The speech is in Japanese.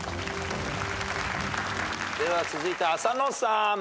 では続いて浅野さん。